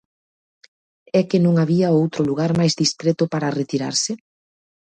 É que non había outro lugar máis discreto para retirarse?